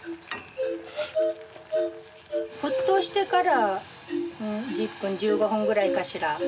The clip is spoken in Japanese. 沸騰してから１０分１５分ぐらいかしら。